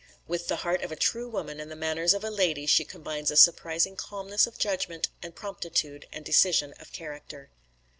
With the heart of a true woman and the manners of a lady she combines a surprising calmness of judgment and promptitude and decision of character."